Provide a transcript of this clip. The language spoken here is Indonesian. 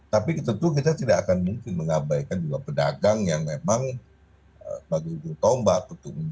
tapi tentu kita tidak akan mungkin mengabaikan juga pedagang yang memang bagi ujung tombak